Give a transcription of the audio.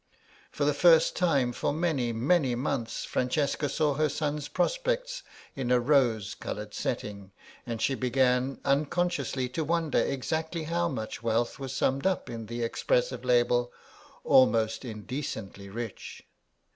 For the first time for many, many months Francesca saw her son's prospects in a rose coloured setting, and she began, unconsciously, to wonder exactly how much wealth was summed up in the expressive label "almost indecently rich."